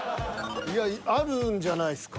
あるんじゃないですか。